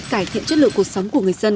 cải thiện chất lượng cuộc sống của người dân